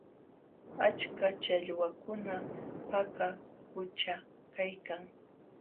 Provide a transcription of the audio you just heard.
Achka challwakuna Paka qućha kaykan.